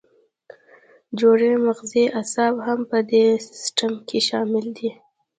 جوړې مغزي اعصاب هم په دې سیستم کې شامل دي.